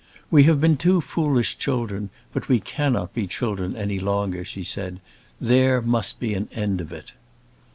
"We have been two foolish children but we cannot be children any longer," she said. "There must be an end of it."